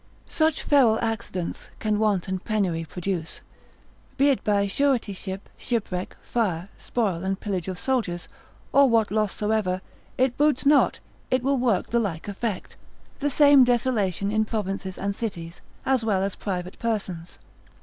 Such feral accidents can want and penury produce. Be it by suretyship, shipwreck, fire, spoil and pillage of soldiers, or what loss soever, it boots not, it will work the like effect, the same desolation in provinces and cities, as well as private persons.